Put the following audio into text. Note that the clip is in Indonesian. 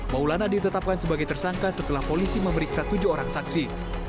maulana ditetapkan sebagai tersangka setelah polisi memeriksa tujuh orang saksi